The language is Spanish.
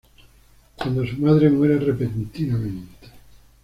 Cuando su madre muere repentinamente.